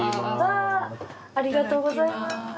ありがとうございます。